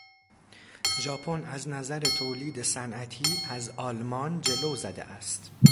ژاپن از نظر تولید صنعتی از آلمان جلو زده است.